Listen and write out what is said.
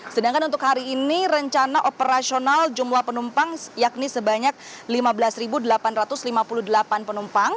sedangkan untuk hari ini rencana operasional jumlah penumpang yakni sebanyak lima belas delapan ratus lima puluh delapan penumpang